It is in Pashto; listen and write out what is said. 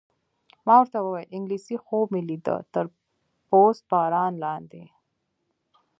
ما ورته وویل: انګلېسي خوب مې لیده، تر پست باران لاندې.